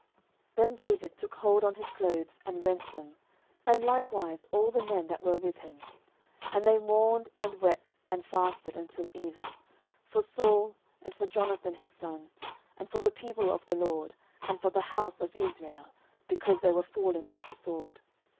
10:001:011 Then David took hold on his clothes, and rent them; and likewise all the men that were with him: 10:001:012 And they mourned, and wept, and fasted until even, for Saul, and for Jonathan his son, and for the people of the LORD, and for the house of Israel; because they were fallen by the sword.